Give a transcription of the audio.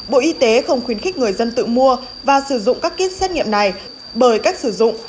bộ y tế không khuyến khích người dân tự mua và sử dụng các kit xét nghiệm này bởi cách sử dụng